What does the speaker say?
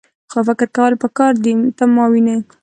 خو فکر کول پکار دي . ته ماوینې؟